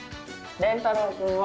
れんたろうくんは？